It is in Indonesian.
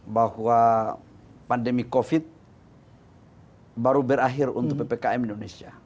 bahwa pandemi covid baru berakhir untuk ppkm indonesia